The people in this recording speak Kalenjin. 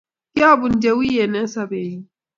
Kyabun chewien eng sobennyu